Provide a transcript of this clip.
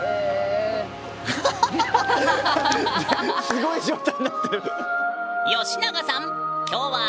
すごい状態になってる！